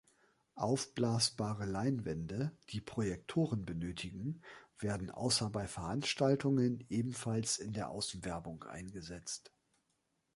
Aufblasbare Leinwände, die Projektoren benötigen, werden außer bei Veranstaltungen ebenfalls in der Außenwerbung eingesetzt.